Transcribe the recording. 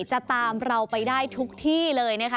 จะตามเราไปได้ทุกที่เลยนะคะ